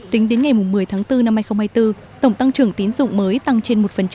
tính đến ngày một mươi tháng bốn năm hai nghìn hai mươi bốn tổng tăng trưởng tín dụng mới tăng trên một